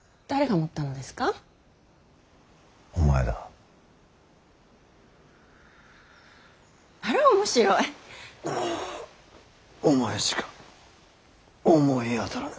んっお前しか思い当たらぬ。